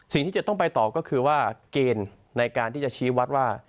สิ่งที่จะต้องไปต่อก็คือว่าเกณฑ์ในการที่จะชี้วัดว่า